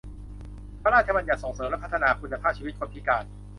พระราชบัญญัติส่งเสริมและพัฒนาคุณภาพชีวิตคนพิการ